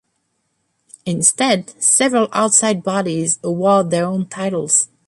Instead, several outside bodies award their own titles.